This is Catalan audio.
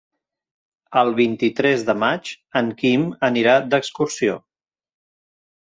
El vint-i-tres de maig en Quim anirà d'excursió.